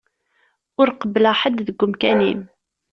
Ur qebbleɣ ḥedd deg umkan-im.